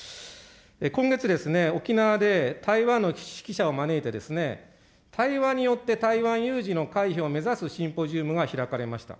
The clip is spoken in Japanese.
今月ですね、沖縄で台湾の識者を招いて、対話によって台湾有事の回避を目指すシンポジウムが開かれました。